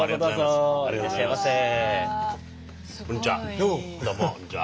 すごい。どうもこんにちは。